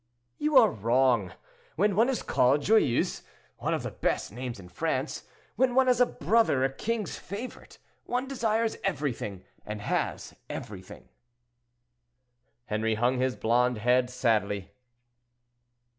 "You are wrong. When one is called 'Joyeuse,' one of the best names in France, when one has a brother a king's favorite, one desires everything, and has everything." Henri hung his blond head sadly.